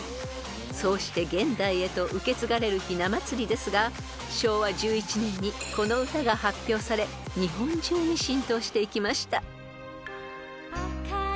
そうして現代へと受け継がれるひな祭りですが昭和１１年にこの歌が発表され日本中に浸透していきました］